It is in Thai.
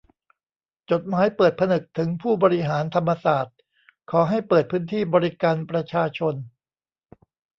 จดหมายเปิดผนึกถึงผู้บริหารธรรมศาสตร์ขอให้เปิดพื้นที่บริการประชาชน